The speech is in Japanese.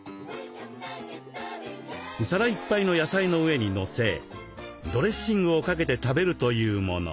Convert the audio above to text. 皿いっぱいの野菜の上にのせドレッシングをかけて食べるというもの。